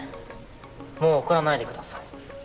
もう送らないでください。